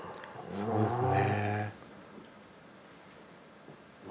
そうですね。